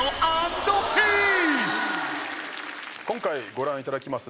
今回ご覧いただきます